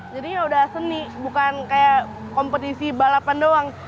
jadi yaudah seni bukan kayak kompetisi balapan doang